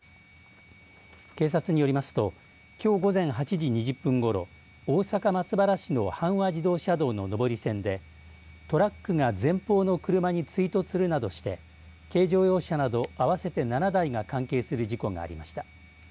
警察によりますときょう午前８時２０分ごろ大阪松原市の阪和自動車道の上り線でトラックが前方の車に追突するなどして軽乗用車など合わせて７台が関係する事故がありました。